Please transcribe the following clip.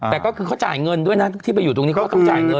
แต่ก็คือเขาจ่ายเงินด้วยนะที่ไปอยู่ตรงนี้เขาก็ต้องจ่ายเงิน